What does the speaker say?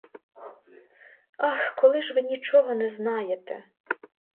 Ах, коли ж ви нічого не знаєте!